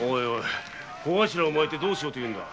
コガシラを撒いてどうしようというんだ？